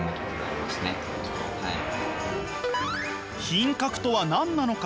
品格とは何なのか？